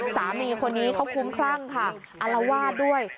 สามีคนนี้เขาคุ้มคลั่งค่ะอารวาสด้วย